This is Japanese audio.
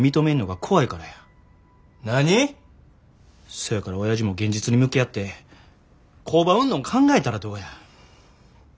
そやからおやじも現実に向き合って工場売んの考えたらどうや。